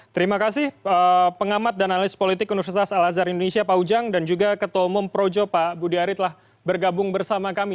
terima kasih pengamat dan analis politik universitas al azhar indonesia pak ujang dan juga ketua umum projo pak budi ari telah bergabung bersama kami